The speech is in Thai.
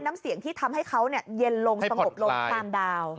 น้ำเสียงที่ทำให้เขาเย็นลงสงบลงตามดาว